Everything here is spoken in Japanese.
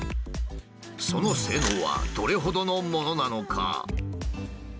その性能はどれほどのものなのか？